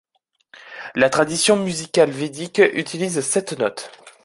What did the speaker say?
La tradition musicale védique utilise sept notes.